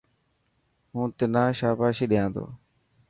هون تنا شاباشي ڏيا تو.